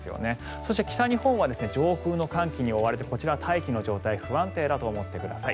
そして北日本は上空の寒気に覆われてこちらは大気の状態が不安定だと思ってください。